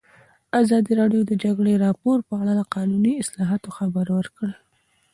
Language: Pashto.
ازادي راډیو د د جګړې راپورونه په اړه د قانوني اصلاحاتو خبر ورکړی.